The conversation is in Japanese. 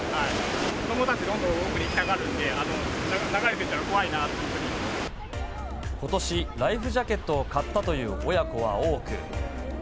子どもたち、どんどん奥に行きたがるんで、流れていったら怖いなことし、ライフジャケットを買ったという親子は多く。